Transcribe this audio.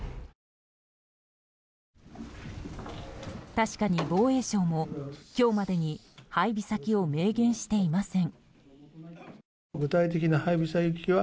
確かに防衛省も、今日までに配備先を明言していません。